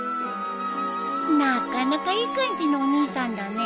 なかなかいい感じのお兄さんだね。